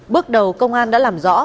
bước đầu công an đã làm rõ